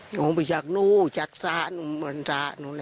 ของพัชก์นู้นจักษะนูนตานูเหล่ะ